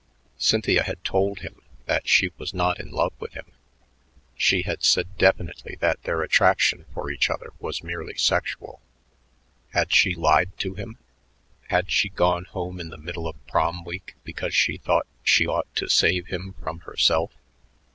Cynthia had told him that she was not in love with him; she had said definitely that their attraction for each other was merely sexual. Had she lied to him? Had she gone home in the middle of Prom, week because she thought she ought to save him from herself?